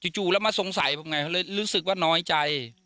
จู่แล้วมาสงสัยผมไงเขาเลยรู้สึกว่าน้อยใจ